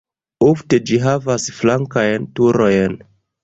Ofte ĝi havas flankajn turojn.